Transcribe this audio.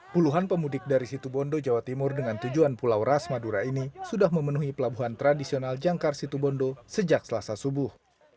puluhan pemudik dari situbondo jawa timur dengan tujuan pulau ras madura ini sudah memenuhi pelabuhan tradisional jangkar situbondo sejak selasa subuh